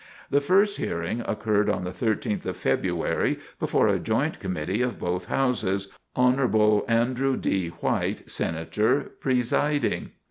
The first hearing occurred on the thirteenth of February, before a joint committee of both houses, Hon. Andrew D. White, senator, presiding.